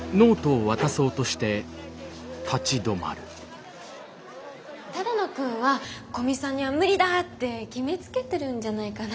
回想只野くんは古見さんには無理だって決めつけてるんじゃないかな。